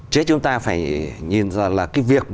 chứ chúng ta phải nhìn ra là cái việc